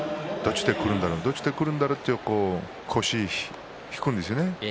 どちらからくるんだろうって腰を引くんですよね